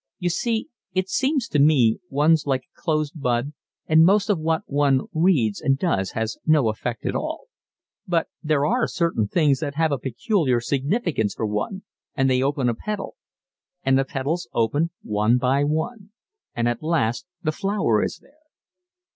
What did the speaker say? You see, it seems to me, one's like a closed bud, and most of what one reads and does has no effect at all; but there are certain things that have a peculiar significance for one, and they open a petal; and the petals open one by one; and at last the flower is there."